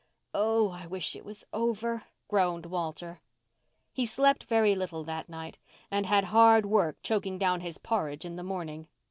"Oh, I wish it was over," groaned Walter. He slept very little that night and had hard work choking down his porridge in the morning.